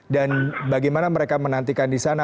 dan bagaimana mereka menantikan di sana